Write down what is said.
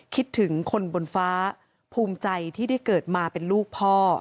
คิดถึงคนบนฟ้าภูมิใจที่ได้เกิดมาเป็นลูกพ่อ